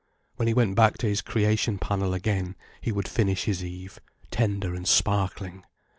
When he went back to his Creation panel again, he would finish his Eve, tender and sparkling.